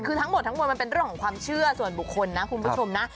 คือทั้งหมดทั้งมวลมันเป็นเรื่องของความเชื่อส่วนบุคคลนะคุณผู้ชมนะ